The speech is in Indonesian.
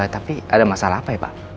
tapi ada masalah apa ya pak